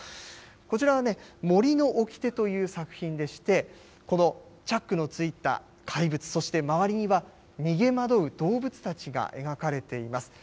こちらはね、森の掟という作品でして、このチャックのついた怪物、そして周りには逃げ惑う動物たちが描かれています。